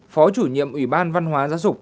phó chủ nhiệm ủy ban văn hóa giáo dục